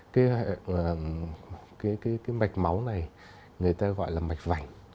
cái mạch máu này người ta gọi là mạch vành